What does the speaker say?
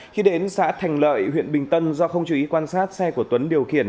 khi đến xã thành lợi huyện bình tân do không chú ý quan sát xe của tuấn điều khiển